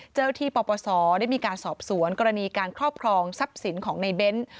เจ้าที่ปปศได้มีการสอบสวนกรณีการครอบครองทรัพย์สินของในเบ้น